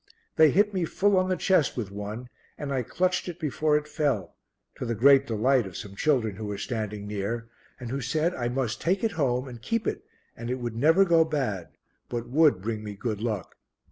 They hit me full on the chest with one and I clutched it before it fell, to the great delight of some children who were standing near and who said I must take it home and keep it and it would never go bad, but would bring me good luck.